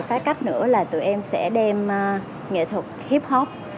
phá cách nữa là tụi em sẽ đem nghệ thuật hip hop